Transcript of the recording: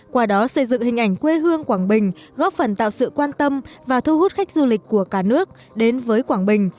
qua đó xây dựng hình ảnh quê hương quảng bình góp phần tạo sự quan tâm và thu hút khách du lịch của cả nước đến với quảng bình